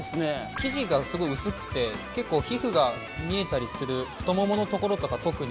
生地がすごい薄くて、結構、皮膚が見えたりする、太ももの所とか特に。